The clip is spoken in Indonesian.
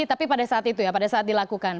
tapi pada saat itu ya pada saat dilakukan